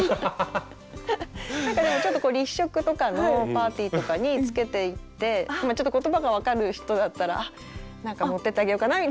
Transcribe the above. なんかでもちょっと立食とかのパーティーとかにつけていってちょっと言葉が分かる人だったらなんか持ってってあげようかなみたいな。